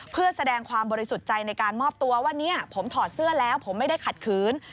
เพื่อแสดงความบริสุทธิ์ใจในการมอบตัวว่าเนี่ยผมถอดเสื้อแล้วผมไม่ได้ขัดขืน